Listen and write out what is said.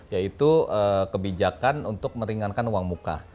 yaitu kebijakan untuk meringankan uang muka